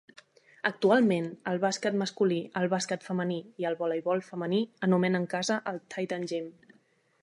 Actualment, el bàsquet masculí, el bàsquet femení i el voleibol femení anomenen casa al Titan Gym.